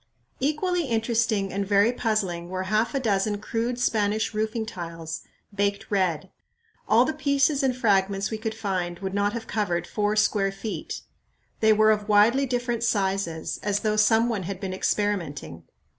Equally interesting and very puzzling were half a dozen crude Spanish roofing tiles, baked red. All the pieces and fragments we could find would not have covered four square feet. They were of widely different sizes, as though some one had been experimenting.